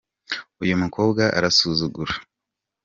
uyu mukobwa arasuzugura.